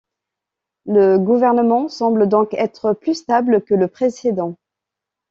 Le gouvernement semble donc être plus stable que le précédent.